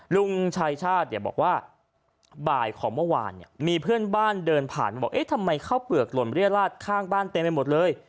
ลุงชายชาติเนี่ยบอกว่าบ่ายของเมื่อวานเนี่ยมีเพื่อนบ้านเดินผ่านมาบอกเอ๊ะทำไมข้าวเปลือกหล่นเรียราชข้างบ้านเต็มไปหมดเลย